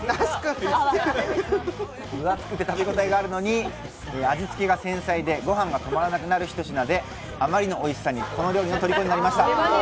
分厚くて食べ応えがあるのに味付けが繊細で、ごはんが止まらなくなるひと品で、あまりのおいしさにとりこになりました。